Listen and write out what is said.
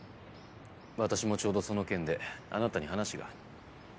私もちょうどその件であなたに話が。